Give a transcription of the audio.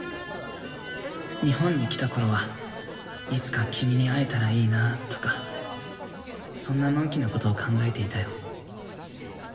日本に来たころは「いつか君に会えたらいいなぁ」とかそんなのんきなことを考えていたよ。